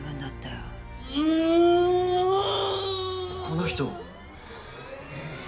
この人。